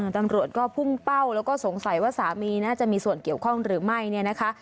ตำรวจก็พุ่งเป้าแล้วก็สงสัยว่าสามีน่าจะมีส่วนเกี่ยวข้องหรือไม่เนี่ยนะคะ